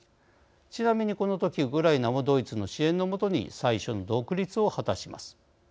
ちなみに、この時ウクライナもドイツの支援の下に最初の独立を果たします。